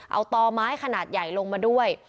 เอาต่อไม้ขนาดใหญ่ลงมาด้วย